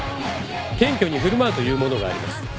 謙虚に振る舞うというものがあります。